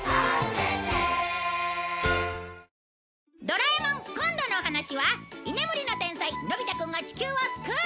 『ドラえもん』今度のお話は居眠りの天才のび太くんが地球を救う！